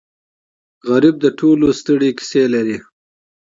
غریب د ټولو ستړې کیسې لري